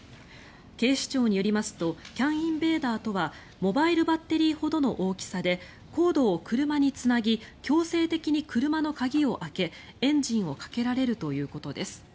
警視庁によりますとＣＡＮインベーダーとはモバイルバッテリーほどの大きさでコードを車につなぎ強制的に車の鍵を開けエンジンをかけられるということです。